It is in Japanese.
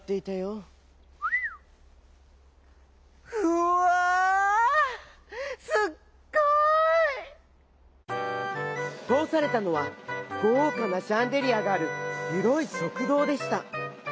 「うわ！すっごい！」。とおされたのはごうかなシャンデリアがあるひろいしょくどうでした。